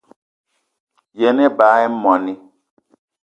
Yen ebag í moní